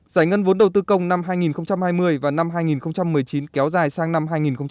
giải ngân vốn đầu tư công năm hai nghìn hai mươi và năm hai nghìn một mươi chín kéo dài sang năm hai nghìn hai mươi